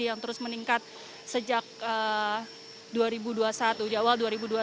yang terus meningkat sejak dua ribu dua puluh satu di awal dua ribu dua puluh satu